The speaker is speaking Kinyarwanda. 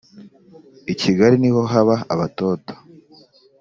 kigali niho haba abatoto